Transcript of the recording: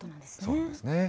そうなんですね。